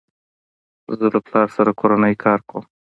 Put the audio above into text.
زه له پلار سره کورنی کار کوم.